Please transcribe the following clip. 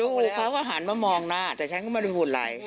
เขาก็หันมามองหน้าแต่ฉันก็ไม่ได้พูดอะไร